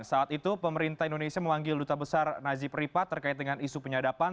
saat itu pemerintah indonesia memanggil duta besar nazi peripat terkait dengan isu penyadaban